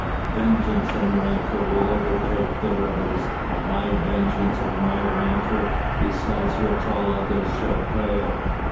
"Vengeance and rancour will overtake the rebels! My vengeance and my rancour, beside which all others shall pale!